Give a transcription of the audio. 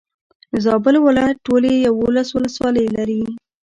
زابل ولايت ټولي يولس ولسوالي لري.